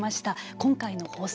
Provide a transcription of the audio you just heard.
今回の放送。